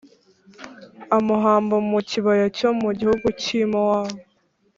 Amuhamba mu kibaya cyo mu gihugu cy’i Mowabu